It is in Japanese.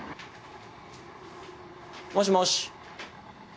もしもし。